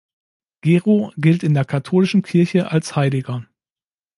Gero gilt in der katholischen Kirche als Heiliger.